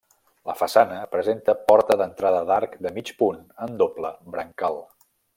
La façana presenta porta d'entrada d'arc de mig punt amb doble brancal.